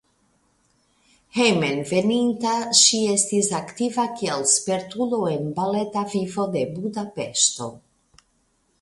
Hejmenveninta ŝi estis aktiva kiel spertulo en baleta vivo de Budapeŝto.